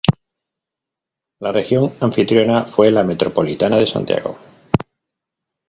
La región anfitriona fue la Metropolitana de Santiago.